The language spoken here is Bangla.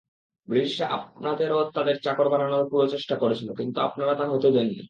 ব্রিটিশরা আপনাদেরও তাদের চাকর বানানোর পুরো চেষ্টা করেছিল, কিন্তু আপনারা তা হতে দেননি।